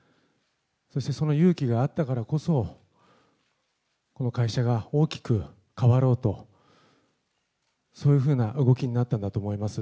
そして、その勇気があったからこそ、この会社が大きく変わろうと、そういうふうな動きになったんだと思います。